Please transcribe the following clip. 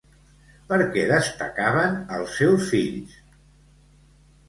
Per què destacaven els seus fills?